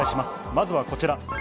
まずはこちら。